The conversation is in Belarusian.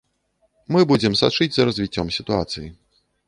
Мы будзем сачыць за развіццём сітуацыі.